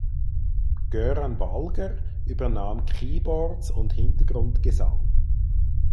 Göran Walger übernahm Keyboards und Hintergrundgesang.